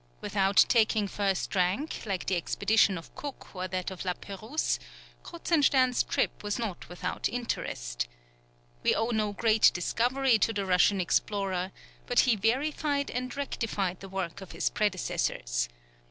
Without taking first rank, like the expedition of Cook or that of La Pérouse, Kruzenstern's trip was not without interest. We owe no great discovery to the Russian explorer, but he verified and rectified the work of his predecessors.